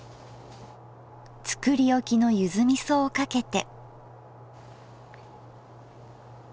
作り置きのゆずみそをかけて。